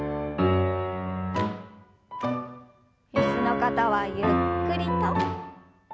椅子の方はゆっくりと。